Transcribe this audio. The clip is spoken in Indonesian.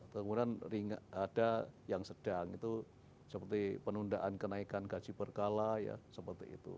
kemudian ada yang sedang itu seperti penundaan kenaikan gaji berkala ya seperti itu